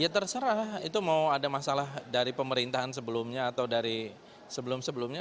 ya terserah itu mau ada masalah dari pemerintahan sebelumnya atau dari sebelum sebelumnya